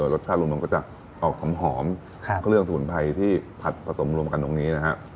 รสชาติรวมก็จะออกหอมเครื่องสมุนไพรที่ผัดผสมรวมกันตรงนี้นะฮะ